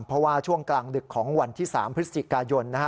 เพราะว่าช่วงกลางดึกของวันที่๓พฤศจิกายนนะฮะ